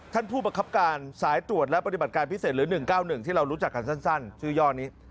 ท่านผู้บังคับการสายตรวจและปฏิบัติการพิเศษหรือ๑๙๑ที่เรารู้จักกันสั้นชื่อย่อนี้